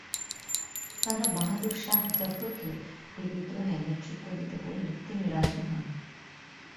তাঁরা বাহাদুর শাহ জাফরকে এই বিদ্রোহে নেতৃত্ব দিতে বললে তিনি রাজি হন।